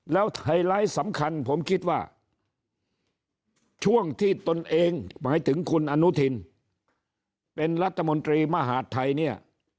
แล้วไฮไลท์สำคัญผมคิดว่าช่วงที่ตนเองหมายถึงคุณอนุทินเป็นรัฐมนตรีมหาดไทยเนี่ย